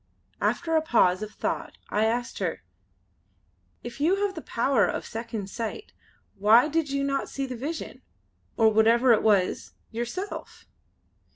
After a pause of thought I asked her: "If you have the power of Second Sight why did you not see the vision, or whatever it was, yourself?"